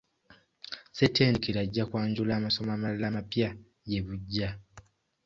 Ssettendekero ajja kwanjula amasomo amalala amapya gye bujja.